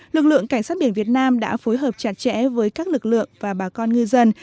lực lượng cảnh sát biển việt nam đã phối hợp chặt chẽ với các lực lượng và bà con ngư dân